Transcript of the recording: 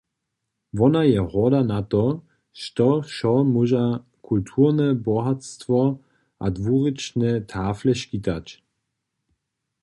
Wona je horda na to, što wšo móža kulturne bohatstwo a dwurěčne tafle skićić.